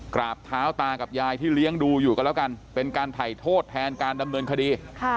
กราบเท้าตากับยายที่เลี้ยงดูอยู่กันแล้วกันเป็นการถ่ายโทษแทนการดำเนินคดี